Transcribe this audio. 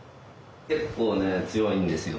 結構ね強いんですよ。